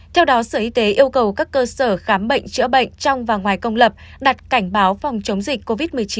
theo đó sở y tế yêu cầu các cơ sở khám bệnh chữa bệnh trong và ngoài công lập đặt cảnh báo phòng chống dịch covid một mươi chín